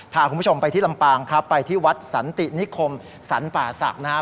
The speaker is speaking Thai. พาคุณผู้ชมไปที่ลำปางครับไปที่วัดสันตินิคมสรรป่าศักดิ์นะครับ